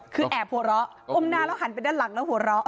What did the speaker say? คือแอบหัวเราะอมหน้าแล้วหันไปด้านหลังแล้วหัวเราะ